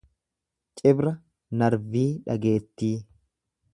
Cibra narvii dhageettii.